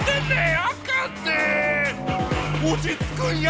おちつくんや！